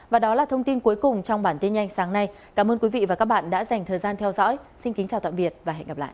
và đó là thông tin cuối cùng trong bản tin nhanh sáng nay cảm ơn quý vị và các bạn đã dành thời gian theo dõi xin kính chào tạm biệt và hẹn gặp lại